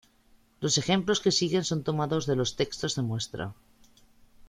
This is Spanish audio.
Los ejemplos que siguen son tomados de los textos de muestra.